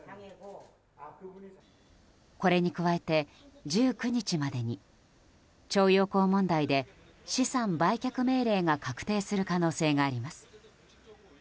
これに加えて、１９日までに徴用工問題で資産売却命令が確定する可能性があります。